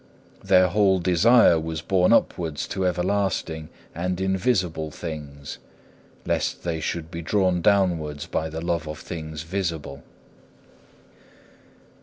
Their whole desire was borne upwards to everlasting and invisible things, lest they should be drawn downwards by the love of things visible.